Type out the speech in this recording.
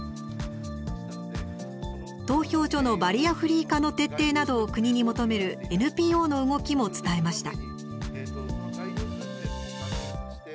投票所のバリアフリー化の徹底などを国に求めるＮＰＯの動きも伝えました。